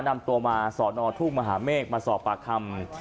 นำตัวมาสอนอทุ่งมหาเมฆมาสอบปากคำ